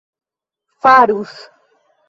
farus